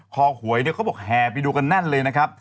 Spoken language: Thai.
ข้อหวยเขาบอกแห่ไปดูกันนั่นเลยนะครับ